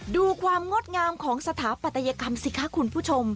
ดูความงดงามของสถาปัตยกรรมสิคะคุณผู้ชม